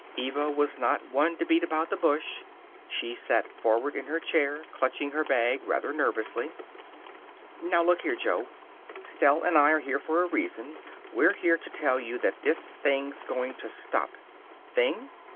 Eva was not one to beat about the bush. She sat forward in her chair, clutching her bag rather nervously. "Now, look here, Jo. Stell and I are here for a reason. We're here to tell you that this thing's going to stop." "Thing?